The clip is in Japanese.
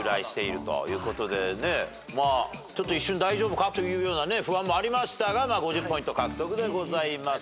一瞬大丈夫かというような不安もありましたが５０ポイント獲得でございます。